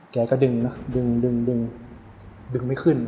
แกก็ดึงนะดึงดึงไม่ขึ้น